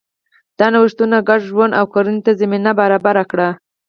دا نوښتونه ګډ ژوند او کرنې ته زمینه برابره کړه.